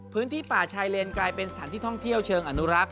พื้นที่ป่าชายเลนกลายเป็นสถานที่ท่องเที่ยวเชิงอนุรักษ